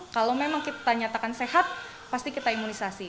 kalau memang kita nyatakan sehat pasti kita imunisasi